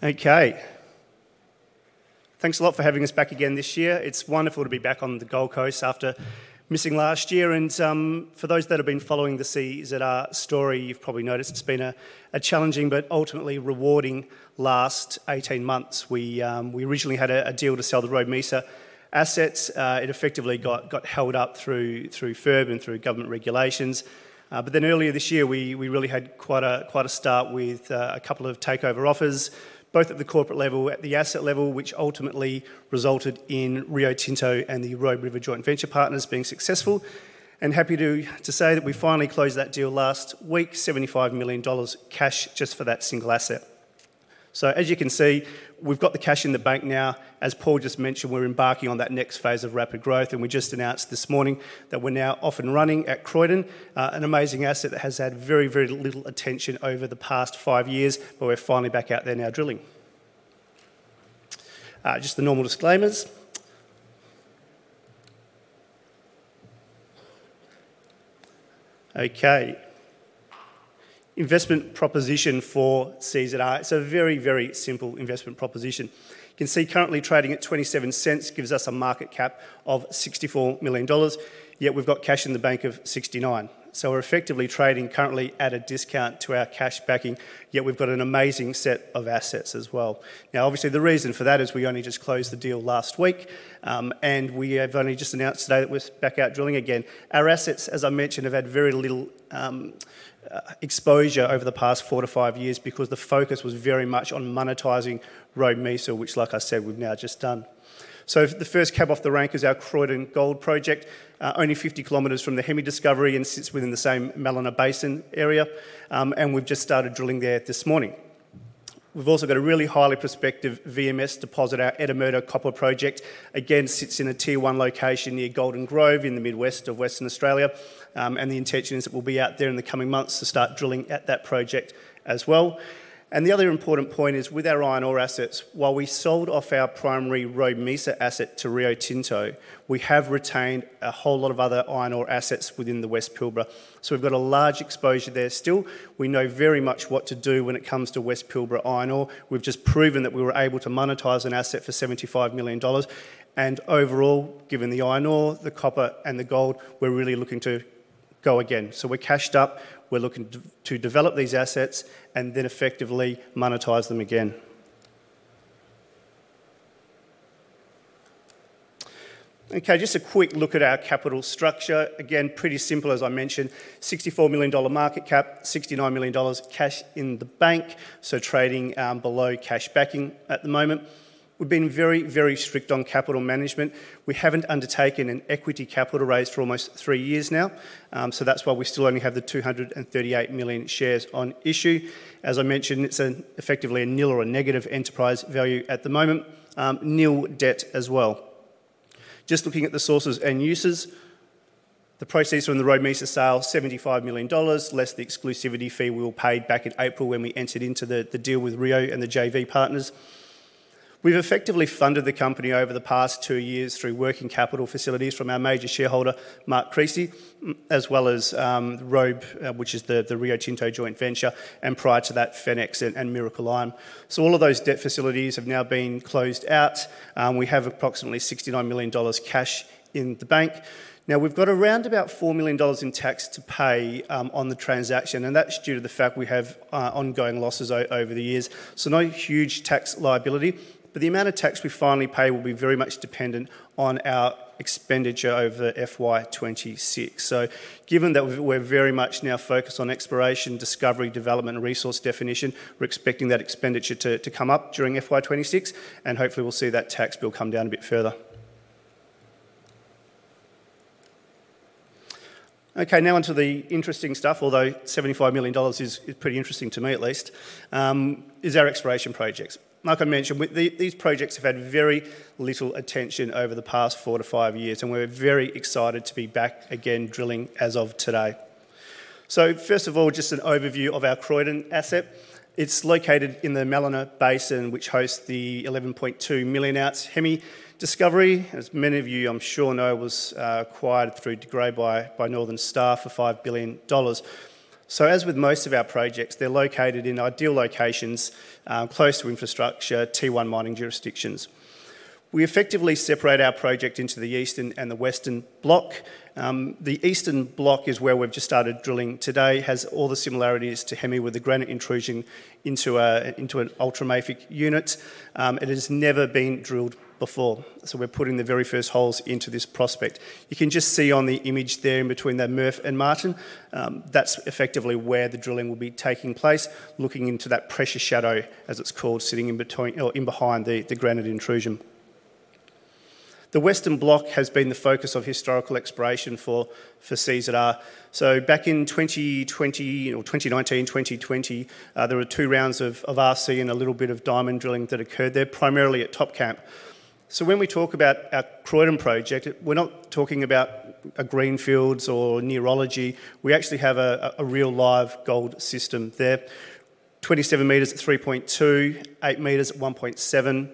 Okay, thanks a lot for having us back again this year. It's wonderful to be back on the Gold Coast after missing last year. For those that have been following the CZR story, you've probably noticed it's been a challenging but ultimately rewarding last 18 months. We originally had a deal to sell the Robe Mesa assets. It effectively got held up through FIRB and through government regulations. Earlier this year, we really had quite a start with a couple of takeover offers, both at the corporate level and at the asset level, which ultimately resulted in Rio Tinto and the Robe River Joint Venture partners being successful. I'm happy to say that we finally closed that deal last week, $75 million cash just for that single asset. As you can see, we've got the cash in the bank now. As Paul just mentioned, we're embarking on that next phase of rapid growth. We just announced this morning that we're now off and running at Croydon, an amazing asset that has had very, very little attention over the past five years, but we're finally back out there now drilling. Just the normal disclaimers. Okay, investment proposition for CZR. It's a very, very simple investment proposition. You can see currently trading at $0.27 gives us a market cap of $64 million. Yet we've got cash in the bank of $69 million. We're effectively trading currently at a discount to our cash backing. Yet we've got an amazing set of assets as well. Obviously, the reason for that is we only just closed the deal last week. We have only just announced today that we're back out drilling again. Our assets, as I mentioned, have had very little exposure over the past four to five years because the focus was very much on monetizing Robe Mesa, which, like I said, we've now just done. The first cab off the rank is our Croydon Gold Project, only 50 km from the Hemi Discovery and sits within the same Mallina Basin area. We've just started drilling there this morning. We've also got a really highly prospective VMS deposit, our Eddamulla Copper Project. Again, sits in a Tier 1 location near Golden Grove in the Midwest of Western Australia. The intention is that we'll be out there in the coming months to start drilling at that project as well. The other important point is with our iron ore assets, while we sold off our primary Robe Mesa asset to Rio Tinto, we have retained a whole lot of other iron ore assets within the West Pilbara. We've got a large exposure there still. We know very much what to do when it comes to West Pilbara iron ore. We've just proven that we were able to monetize an asset for $75 million. Overall, given the iron ore, the copper, and the gold, we're really looking to go again. We're cashed up. We're looking to develop these assets and then effectively monetize them again. Just a quick look at our capital structure. Again, pretty simple, as I mentioned, $64 million market cap, $69 million cash in the bank. Trading below cash backing at the moment. We've been very, very strict on capital management. We haven't undertaken an equity capital raise for almost three years now. That's why we still only have the 238 million shares on issue. As I mentioned, it's effectively a nil or a negative enterprise value at the moment, nil debt as well. Just looking at the sources and uses, the proceeds from the Robe Mesa sale, $75 million, less the exclusivity fee we all paid back in April when we entered into the deal with Rio Tinto and the Robe River Joint Venture partners. We've effectively funded the company over the past two years through working capital facilities from our major shareholder, Mark Creasy, as well as Robe, which is the Rio Tinto joint venture, and prior to that, Fenex and Miracle Iron. All of those debt facilities have now been closed out. We have approximately $69 million cash in the bank. Now we've got around about $4 million in tax to pay on the transaction. That's due to the fact we have ongoing losses over the years. No huge tax liability. The amount of tax we finally pay will be very much dependent on our expenditure over FY2026. Given that we're very much now focused on exploration, discovery, development, and resource definition, we're expecting that expenditure to come up during FY2026. Hopefully, we'll see that tax bill come down a bit further. Now onto the interesting stuff, although $75 million is pretty interesting to me, at least, is our exploration projects. Like I mentioned, these projects have had very little attention over the past four to five years. We're very excited to be back again drilling as of today. First of all, just an overview of our Croydon asset. It's located in the Mallina Basin, which hosts the 11.2 million oz Hemi Discovery. As many of you, I'm sure, know, it was acquired through De Grey by Northern Star for $5 billion. As with most of our projects, they're located in ideal locations, close to infrastructure, Tier 1 mining jurisdictions. We effectively separate our project into the eastern and the western block. The eastern block is where we've just started drilling today, has all the similarities to Hemi with the granite intrusion into an ultramafic unit. It has never been drilled before. We're putting the very first holes into this prospect. You can just see on the image there in between that Murf and Martin. That's effectively where the drilling will be taking place, looking into that pressure shadow, as it's called, sitting in between or in behind the granite intrusion. The western block has been the focus of historical exploration for CZR Resources Limited. Back in 2019, 2020, there were two rounds of RC and a little bit of diamond drilling that occurred there, primarily at Top Camp. When we talk about our Croydon Gold Project, we're not talking about greenfields or neurology. We actually have a real live gold system there. 27 m at 3.2, 8 m at 1.7,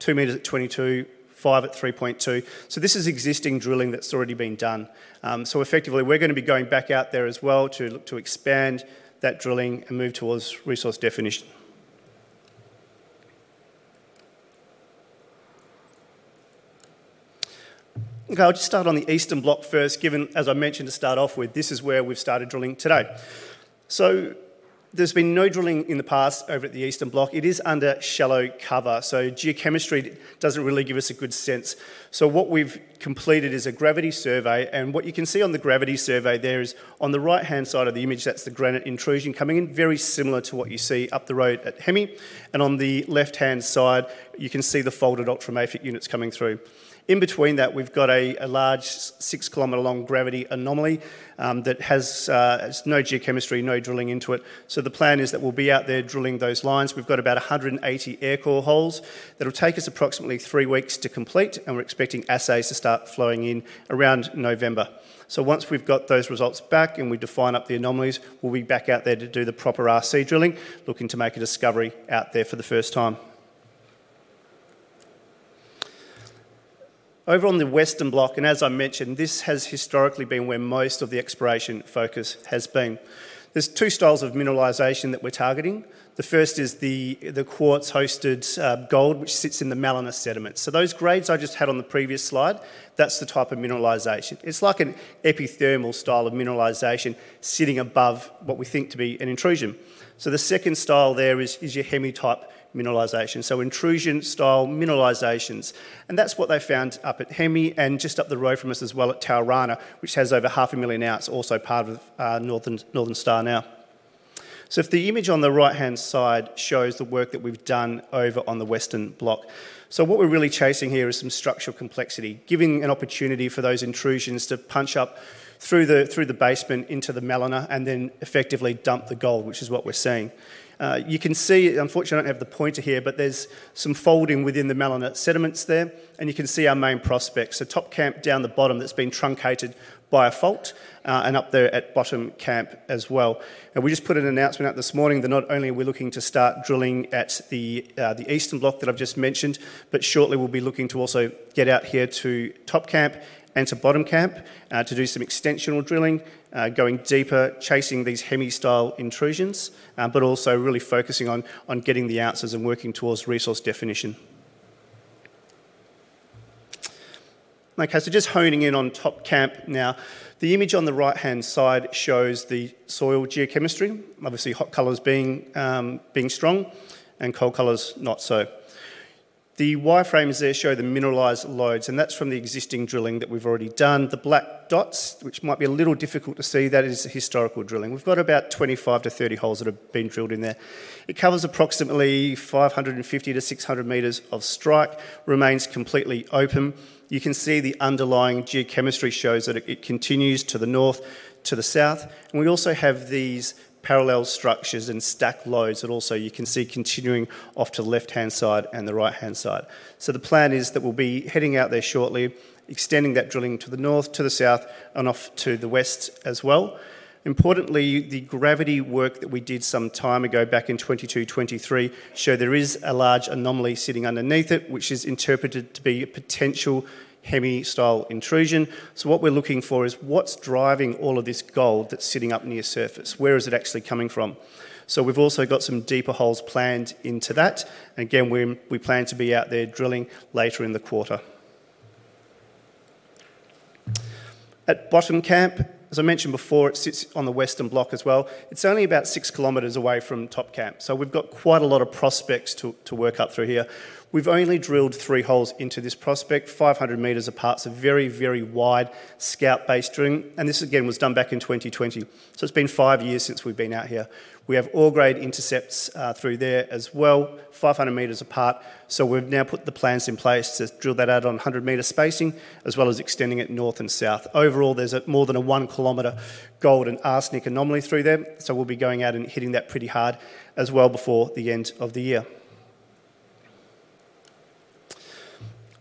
2 m at 22, 5 m at 3.2. This is existing drilling that's already been done. Effectively, we're going to be going back out there as well to expand that drilling and move towards resource definition. I'll just start on the eastern block first, given, as I mentioned, to start off with, this is where we've started drilling today. There's been no drilling in the past over at the eastern block. It is under shallow cover. Geochemistry doesn't really give us a good sense. What we've completed is a gravity survey. What you can see on the gravity survey there is on the right-hand side of the image, that's the granite intrusion coming in, very similar to what you see up the road at Hemi. On the left-hand side, you can see the folded ultramafic units coming through. In between that, we've got a large six-kilometer-long gravity anomaly that has no geochemistry, no drilling into it. The plan is that we'll be out there drilling those lines. We've got about 180 air core holes. It'll take us approximately three weeks to complete. We're expecting assays to start flowing in around November. Once we've got those results back and we define up the anomalies, we'll be back out there to do the proper RC drilling, looking to make a discovery out there for the first time. Over on the western block, as I mentioned, this has historically been where most of the exploration focus has been. There are two styles of mineralization that we're targeting. The first is the quartz-hosted gold, which sits in the Melanor sediment. Those grades I just had on the previous slide, that's the type of mineralization. It's like an epithermal style of mineralization sitting above what we think to be an intrusion. The second style there is your Hemi-type mineralization, so intrusion-style mineralizations. That's what they found up at Hemi and just up the road from us as well at Taorana, which has over half a million ounces, also part of Northern Star now. The image on the right-hand side shows the work that we've done over on the western block. What we're really chasing here is some structural complexity, giving an opportunity for those intrusions to punch up through the basement into the Melanor and then effectively dump the gold, which is what we're seeing. Unfortunately, I don't have the pointer here, but there's some folding within the Melanor sediments there. You can see our main prospects, so Top Camp down the bottom that's been truncated by a fault and up there at Bottom Camp as well. We just put an announcement out this morning that not only are we looking to start drilling at the eastern block that I've just mentioned, but shortly we'll be looking to also get out here to Top Camp and to Bottom Camp to do some extensional drilling, going deeper, chasing these Hemi-style intrusions, but also really focusing on getting the ounces and working towards resource definition. Just honing in on Top Camp now. The image on the right-hand side shows the soil geochemistry, obviously hot colors being strong and cold colors not so. The wireframes there show the mineralized lodes, and that's from the existing drilling that we've already done. The black dots, which might be a little difficult to see, that is historical drilling. We've got about 25-30 holes that have been drilled in there. It covers approximately 550 m-600m of strike, remains completely open. The underlying geochemistry shows that it continues to the north, to the south. We also have these parallel structures and stacked lodes that you can see continuing off to the left-hand side and the right-hand side. The plan is that we'll be heading out there shortly, extending that drilling to the north, to the south, and off to the west as well. Importantly, the gravity work that we did some time ago back in 2022, 2023 showed there is a large anomaly sitting underneath it, which is interpreted to be a potential Hemi-style intrusion. What we're looking for is what's driving all of this gold that's sitting up near surface. Where is it actually coming from? We've also got some deeper holes planned into that. We plan to be out there drilling later in the quarter. At Bottom Camp, as I mentioned before, it sits on the western block as well. It's only about six kilometers away from Top Camp. We've got quite a lot of prospects to work up through here. We've only drilled three holes into this prospect, 500 m apart, so very, very wide scout-based drilling. This again was done back in 2020. It's been five years since we've been out here. We have all-grade intercepts through there as well, 500 m apart. We've now put the plans in place to drill that out on 100 m spacing, as well as extending it north and south. Overall, there's more than a one-kilometer gold and arsenic anomaly through there. We'll be going out and hitting that pretty hard as well before the end of the year.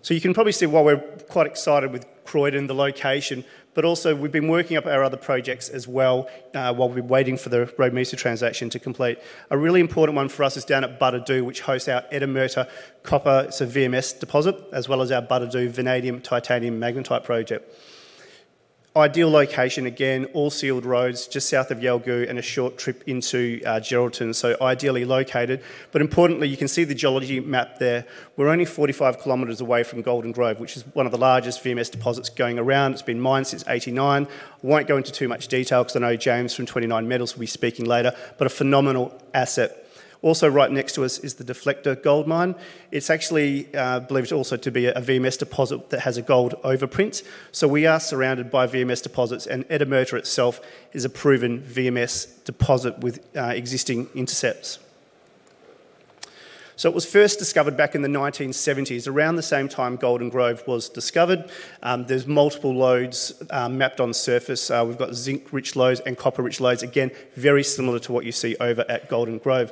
You can probably see why we're quite excited with Croydon, the location, but also we've been working up our other projects as well while we're waiting for the Robe Mesa transaction to complete. A really important one for us is down at Buddadoo, which hosts our Eddamulla Copper, it's a VMS deposit, as well as our Buddadoo Vanadium Titanium Magnetite project. Ideal location, again, all sealed roads just south of Yalgoo and a short trip into Geraldton, so ideally located. Importantly, you can see the geology map there. We're only 45 km away from Golden Grove, which is one of the largest VMS deposits going around. It's been mined since 1989. I won't go into too much detail because I know James from 29Metals will be speaking later, but a phenomenal asset. Also right next to us is the Deflector Gold Mine. It's actually believed also to be a VMS deposit that has a gold overprint. We are surrounded by VMS deposits, and Eddamulla itself is a proven VMS deposit with existing intercepts. It was first discovered back in the 1970s, around the same time Golden Grove was discovered. There are multiple lodes mapped on the surface. We've got zinc-rich lodes and copper-rich lodes, again, very similar to what you see over at Golden Grove.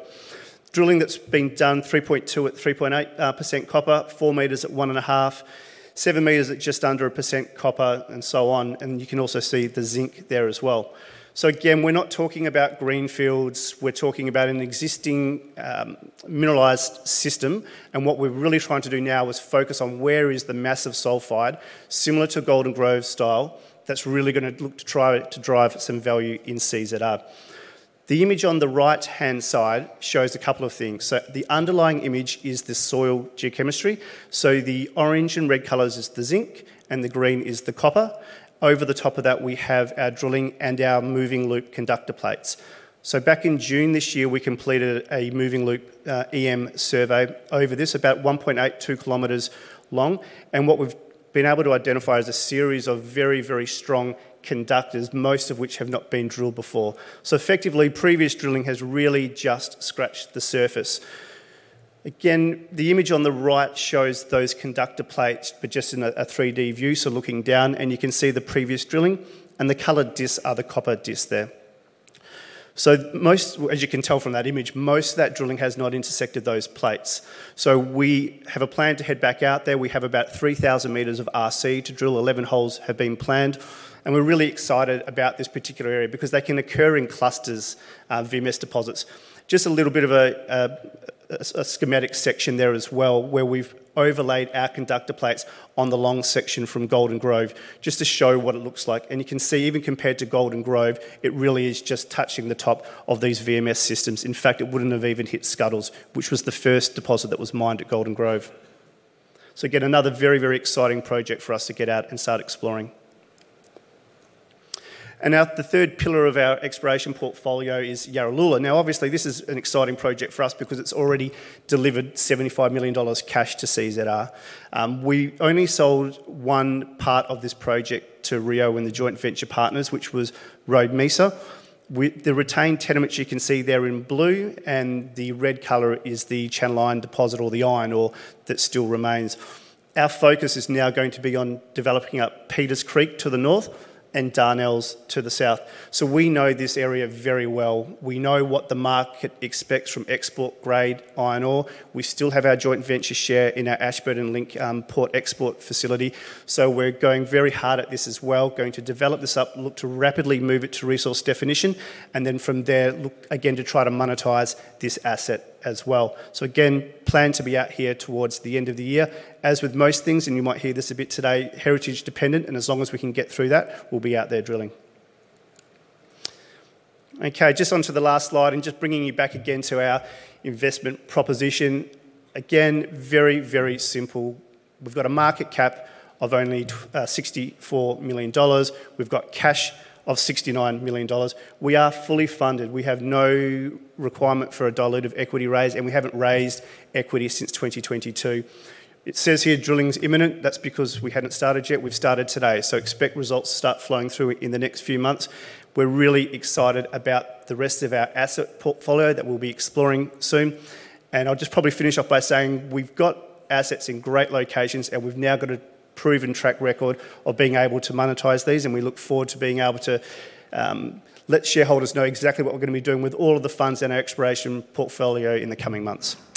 Drilling that's been done, 3.2 at 3.8% copper, 4 m at 1.5, 7 m at just under a percent copper, and so on. You can also see the zinc there as well. We're not talking about greenfields. We're talking about an existing mineralized system. What we're really trying to do now is focus on where is the massive sulfide, similar to a Golden Grove style, that's really going to look to try to drive some value in CZR. The image on the right-hand side shows a couple of things. The underlying image is the soil geochemistry. The orange and red colors are the zinc, and the green is the copper. Over the top of that, we have our drilling and our moving loop conductor plates. Back in June this year, we completed a moving loop EM survey over this, about 1.82 km long. What we've been able to identify is a series of very, very strong conductors, most of which have not been drilled before. Effectively, previous drilling has really just scratched the surface. The image on the right shows those conductor plates, but just in a 3D view, looking down. You can see the previous drilling and the colored discs are the copper discs there. Most, as you can tell from that image, most of that drilling has not intersected those plates. We have a plan to head back out there. We have about 3,000 m of RC to drill. 11 holes have been planned. We're really excited about this particular area because they can occur in clusters of VMS deposits. Just a little bit of a schematic section there as well where we've overlaid our conductor plates on the long section from Golden Grove just to show what it looks like. You can see, even compared to Golden Grove, it really is just touching the top of these VMS systems. In fact, it wouldn't have even hit Scuttles, which was the first deposit that was mined at Golden Grove. Another very, very exciting project for us to get out and start exploring. Now the third pillar of our exploration portfolio is Yarraloola. Obviously, this is an exciting project for us because it's already delivered $75 million cash to CZR. We only sold one part of this project to Rio Tinto and the Robe River Joint Venture partners, which was Robe Mesa. The retained tenements, you can see there in blue, and the red color is the channel iron deposit or the iron ore that still remains. Our focus is now going to be on developing up Peters Creek to the north and Darnells to the south. We know this area very well. We know what the market expects from export-grade iron ore. We still have our joint venture share in our Ashburton Link port export facility. We are going very hard at this as well, going to develop this up, look to rapidly move it to resource definition, and from there, look again to try to monetize this asset as well. We plan to be out here towards the end of the year. As with most things, and you might hear this a bit today, heritage dependent. As long as we can get through that, we'll be out there drilling. Just onto the last slide and bringing you back again to our investment proposition. Very, very simple. We've got a market cap of only $64 million. We've got cash of $69 million. We are fully funded. We have no requirement for a dilutive equity raise, and we haven't raised equity since 2022. It says here drilling's imminent. That's because we hadn't started yet. We've started today. Expect results to start flowing through in the next few months. We're really excited about the rest of our asset portfolio that we'll be exploring soon. I'll just probably finish off by saying we've got assets in great locations, and we've now got a proven track record of being able to monetize these. We look forward to being able to let shareholders know exactly what we're going to be doing with all of the funds in our exploration portfolio in the coming months. Thank you.